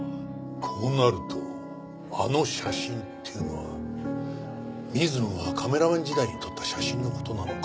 こうなるとあの写真っていうのは水野がカメラマン時代に撮った写真の事なのかもしれない。